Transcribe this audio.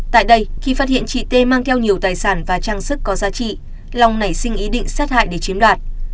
tại đây khi phát hiện chị t mang theo nhiều tài sản và trang sức có giá trị long nảy sinh ý định sát hại để chiếm đoạt